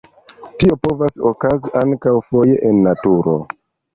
Tio povas okazi ankaŭ foje en naturo.